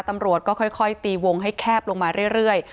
ตำรวจก็ค่อยตีวงให้แคบลงมาเรื่อย